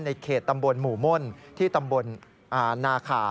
เขตตำบลหมู่ม่นที่ตำบลนาคา